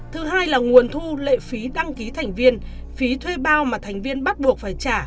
thứ hai là nguồn thu lệ phí đăng ký thành viên phí thuê bao mà thành viên bắt buộc phải trả